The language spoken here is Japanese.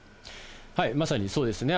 まさにそうですね。